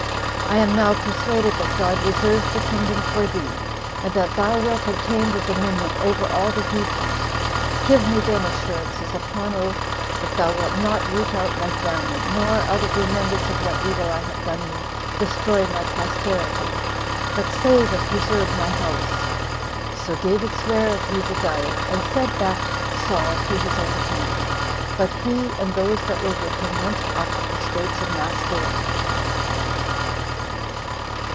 I am now persuaded that God reserves the kingdom for thee, and that thou wilt obtain the dominion over all the Hebrews. Give me then assurances upon oath, That thou wilt not root out my family, nor, out of remembrance of what evil I have done thee, destroy my posterity, but save and preserve my house." So David sware as he desired, and sent back Saul to his own kingdom; but he, and those that were with him, went up the Straits of Mastheroth.